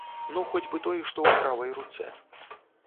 Ну, хоць бы той, што ў правай руцэ.